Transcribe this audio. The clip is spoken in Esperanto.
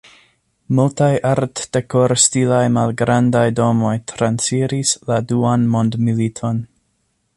Multaj Artdekor-stilaj malgrandaj domoj transiris la Duan Mondmiliton.